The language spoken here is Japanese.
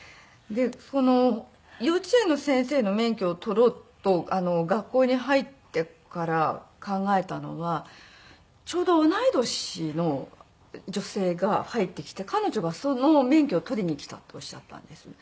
でこの幼稚園の先生の免許を取ろうと学校に入ってから考えたのはちょうど同い年の女性が入ってきて彼女がその免許を取りにきたっておっしゃったんですね。